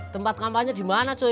tempat kampanye dimana cuy